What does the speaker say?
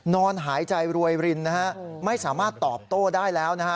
นอนหายใจรวยรินนะฮะไม่สามารถตอบโต้ได้แล้วนะฮะ